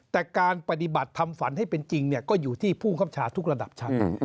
แต่การปฏิบัติทำฝันให้เป็นจริงก็อยู่ที่ผู้คับชาทุกระดับชั้น